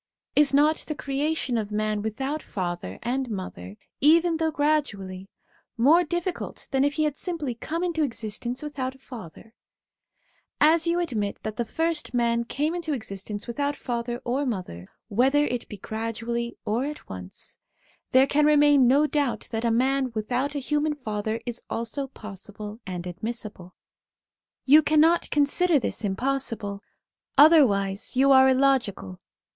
Is not the creation of man without father and mother, even though gradually, more difficult than if he had simply come into existence without a father ? As you admit that the first man came into existence without father or mother whether it be gradually or at once there can remain no doubt that a man without a human father is also possible and admissible; you cannot consider this SOME CHRISTIAN SUBJECTS 101 impossible; otherwise you are illogical.